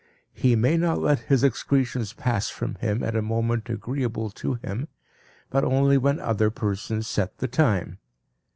He may not let his excretions pass from him at a moment agreeable to him, but only when other persons set the time.